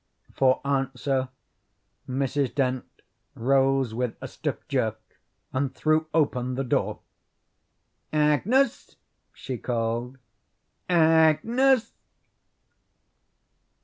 For answer Mrs. Dent rose with a stiff jerk and threw open the door. "Agnes!" she called. "Agnes!"